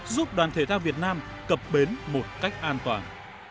giúp đoàn thể thao việt nam cập bến một cách an toàn